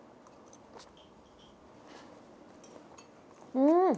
うん！